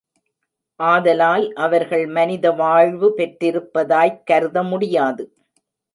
ஆதலால், அவர்கள் மனிதவாழ்வு பெற்றிருப்பதாய்க் கருத முடியாது.